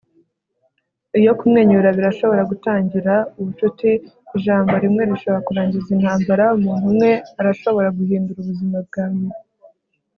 iyo kumwenyura birashobora gutangira ubucuti. ijambo rimwe rishobora kurangiza intambara. umuntu umwe arashobora guhindura ubuzima bwawe